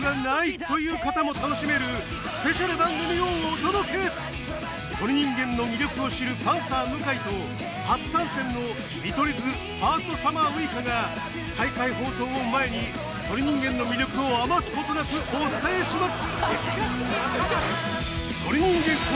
今回は『鳥人間』の魅力を知るパンサー向井と初参戦の見取り図ファーストサマーウイカが大会放送を前に『鳥人間』の魅力を余すことなくお伝えします！